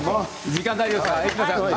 時間大丈夫ですか。